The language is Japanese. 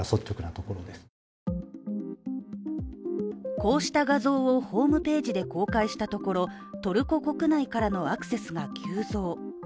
こうした画像をホームページで公開したところトルコ国内からのアクセスが急増。